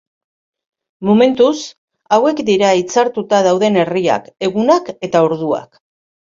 Momentuz, hauek dira hitzartuta dauden herriak, egunak eta orduak.